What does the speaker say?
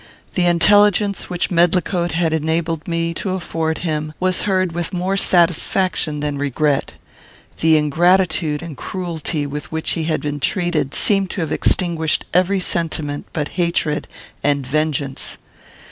The intelligence which Medlicote had enabled me to afford him was heard with more satisfaction than regret. The ingratitude and cruelty with which he had been treated seemed to have extinguished every sentiment but hatred and vengeance.